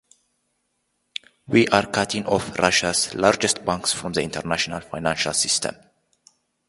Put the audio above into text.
We are cutting off Russia’s largest banks from the international financial system.